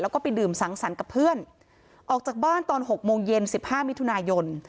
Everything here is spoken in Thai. แล้วก็ไปดื่มสังสรรค์กับเพื่อนออกจากบ้านตอน๖โมงเย็นสิบห้ามิถุนายน